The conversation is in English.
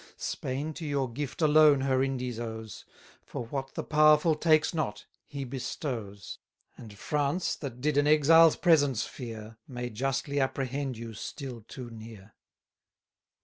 Spain to your gift alone her Indies owes; For what the powerful takes not, he bestows: And France, that did an exile's presence fear, 310 May justly apprehend you still too near.